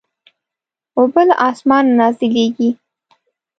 اوبه له اسمانه نازلېږي.